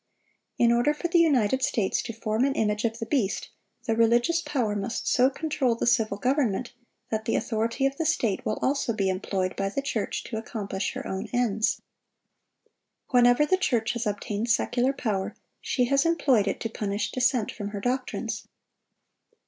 In order for the United States to form an image of the beast, the religious power must so control the civil government that the authority of the state will also be employed by the church to accomplish her own ends. Whenever the church has obtained secular power, she has employed it to punish dissent from her doctrines.